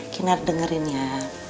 kinar dengerin ya